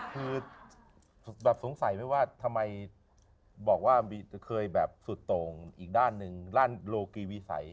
คือแบบสงสัยไหมว่าทำไมบอกว่าเคยแบบสุดโต่งอีกด้านหนึ่งด้านโลกีวิสัย